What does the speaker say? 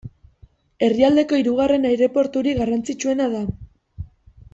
Herrialdeko hirugarren aireporturik garrantzitsuena da.